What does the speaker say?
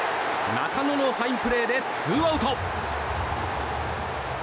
中野のファインプレーでツーアウト！